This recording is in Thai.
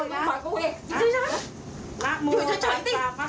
ญี่ยาเรียกใช่แล้วนะคุณยาเรียกนั่นใคร